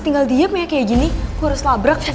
terima kasih mbak